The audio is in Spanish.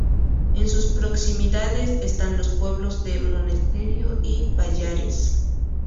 En sus proximidades están los pueblos de Monesterio y Pallares.